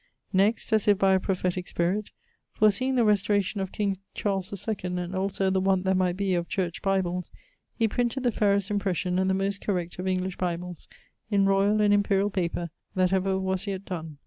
Next, as if by a prophetique spirit, foreseeing the restauration of King Charles IIᵈ, and also the want there might be of Church Bibles, heprinted the fairest impression, and the most correct of English Bibles, in royall and imperiall paper, that ever was yet donne.